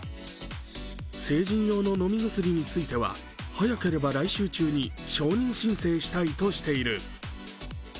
成人ようの飲み薬については、早ければ来週中に承認申請したいとしている。